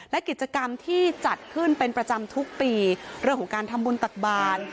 และกิจกรรมที่จัดขึ้นเป็นประจำทุกปีเรื่องของการทำบุญตักบาล